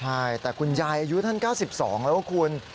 ใช่แต่คุณยายอายุท่าน๙๒แล้วคุณ